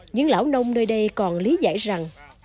những lão nông nơi đây còn lý giải rằng